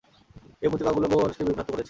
এ প্রতিমাগুলো বহু মানুষকে বিভ্রান্ত করেছে।